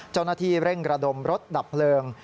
เจ้าหน้าที่เร่งระดมรถดับเพลิง